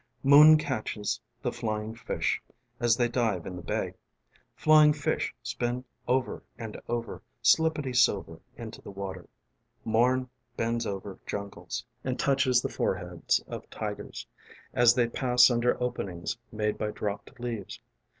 :: ┬Ā┬ĀMoon catches the flying fish ┬Ā┬Āas they dive in the bay. ┬Ā┬ĀFlying fish ┬Ā┬Āspin over and over ┬Ā┬Āslippity silver ┬Ā┬Āinto the water. ┬Ā┬ĀMom bends over jungles ┬Ā┬Āand touches the foreheads of tigers ┬Ā┬Āas they pass under openings made by dropped leaves.